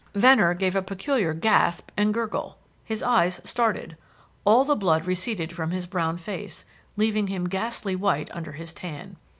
Venner gave a peculiar gasp and gurgle. His eyes started. All the blood receded from his brown face, leaving him ghastly white under his tan.